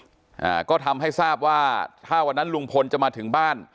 อ่าก็ทำให้ทราบว่าถ้าวันนั้นลุงพลจะมาถึงบ้าน